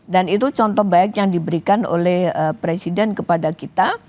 itu contoh baik yang diberikan oleh presiden kepada kita